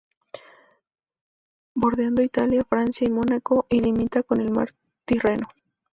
Bordeando Italia, Francia y Mónaco y limita con el mar Tirreno.